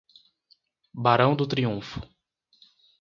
Barão do Triunfo